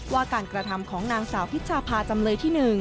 ว่าการกระทำของนางสาวพิชภาจำเลยที่๑